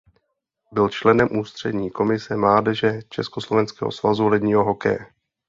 Byl členem ústřední komise mládeže Československého svazu ledního hokeje.